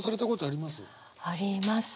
ありますね。